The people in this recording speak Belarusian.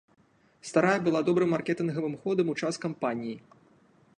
Старая была добрым маркетынгавым ходам у час кампаніі.